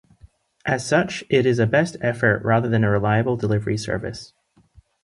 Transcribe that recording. As such it is a "best-effort" rather than a "reliable" delivery service.